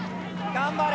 頑張れ！